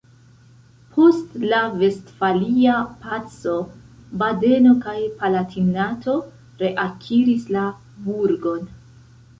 Post la Vestfalia Paco Badeno kaj Palatinato reakiris la burgon.